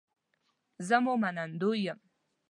زه مو منندوی یم